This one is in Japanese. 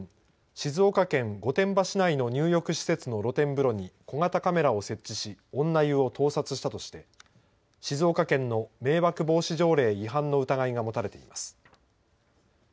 静岡県御殿場市内の入浴施設の露天風呂に小型カメラを設置し女湯を盗撮したとして静岡県の迷惑防止条例違反の疑いが持たれています。